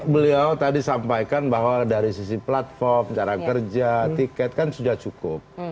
beliau tadi sampaikan bahwa dari sisi platform cara kerja tiket kan sudah cukup